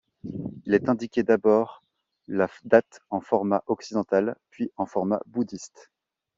Il est indiqué d'abord la date en format occidental puis en format bouddhiste.